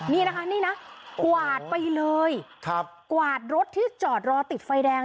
นี่นะคะนี่นะกวาดไปเลยกวาดรถที่จอดรอติดไฟแดง